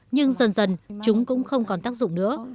nhưng dần dần chúng cũng không còn tác dụng nữa